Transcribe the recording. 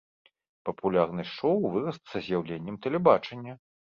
Папулярнасць шоу вырасла са з'яўленнем тэлебачання.